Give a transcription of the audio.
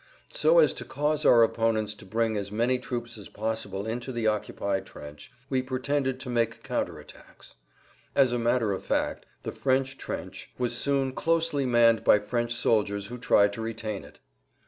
So as to cause our opponents to bring as many troops as possible into the occupied trench we pretended to make counter attacks. As a matter of fact the French trench was soon closely manned by French soldiers who tried to retain it.